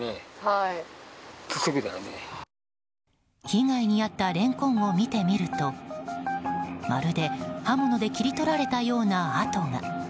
被害に遭ったレンコンを見てみるとまるで刃物で切り取られたような跡が。